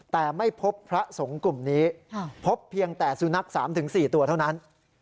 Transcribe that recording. แต่ไม่พบพระสงฆ์กลุ่มนี้พบเพียงแต่สุนัข๓๔ตัวเท่านั้น